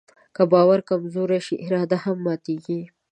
که باور کمزوری شي، اراده هم ماتيږي.